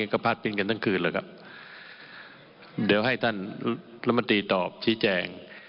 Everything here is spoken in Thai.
ก็ภาษภิกษ์กันทั้งคืนเหรอครับเดี๋ยวให้ท่านเริ่มปฏิตอบชิแจง